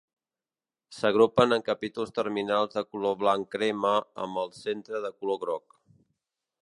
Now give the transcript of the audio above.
S'agrupen en capítols terminals de color blanc-crema amb el centre de color groc.